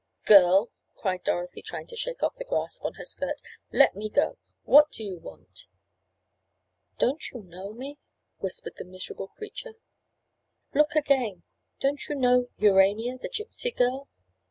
"Girl!" cried Dorothy, trying to shake off the grasp on her skirt. "Let me go! What do you want?" "Don't you know me?" whispered the miserable creature. "Look again—don't you know—Urania, the Gypsy girl?"